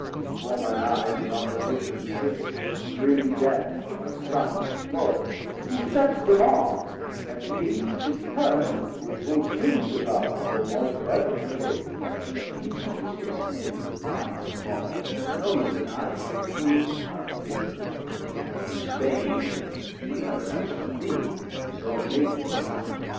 Before mine eyes in opposition sits Grim Death my Son and foe, who sets them on, And me his Parent would full soon devour For want of other prey, but that he knows His end with mine involvd; and knows that I Should prove a bitter Morsel, and his bane, When ever that shall be; so Fate pronounc'd.